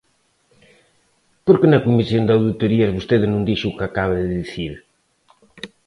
¿Por que na comisión de auditorías vostede non dixo o que acaba de dicir?